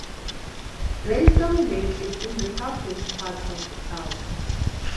Blaisdell Lake is in the southwest part of the town.